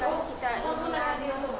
kalau kita ingin berubah kenaan lulus